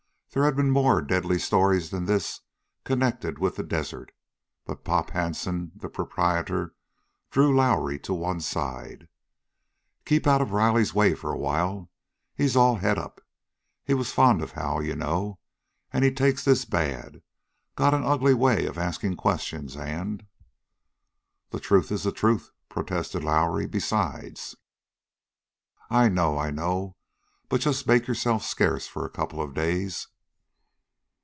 There had been more deadly stories than this connected with the desert. But Pop Hansen, the proprietor, drew Lowrie to one side. "Keep out of Riley's way for a while. He's all het up. He was fond of Hal, you know, and he takes this bad. Got an ugly way of asking questions, and " "The truth is the truth," protested Lowrie. "Besides " "I know I know. But jest make yourself scarce for a couple of days."